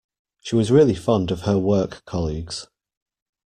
She was really fond of her work colleagues.